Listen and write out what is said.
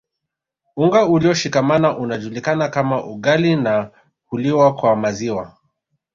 Unga ulioshikamana unajulikana kama ugali na huliwa kwa maziwa